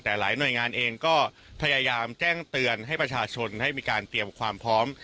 แต่หลายหน่วยงานเองก็พยายามแจ้งเตือนให้ประชาชนให้มีการเตรียมความพร้อม